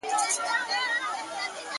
د گريوان ډورۍ ته دادی ځان ورسپاري.